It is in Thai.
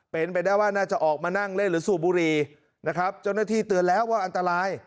เป็นไปได้ว่าน่าจะออกมานั่งเล่นหรือสูบบุรีนะครับเจ้าหน้าที่เตือนแล้วว่าอันตราย